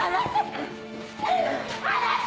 離せ！